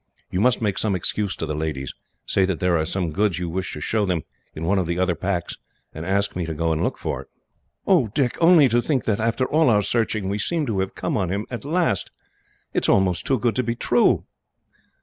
You must make some excuse to the ladies. Say that there are some goods you wish to show them, in one of the other packs, and ask me to go and look for it." "Oh, Dick, only to think that, after all our searching, we seem to have come on him at last! It is almost too good to be true."